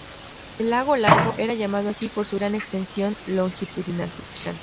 El Lago Largo era llamado así por su gran extensión longitudinal.